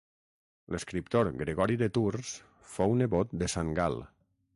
L'escriptor Gregori de Tours fou nebot de Sant Gal.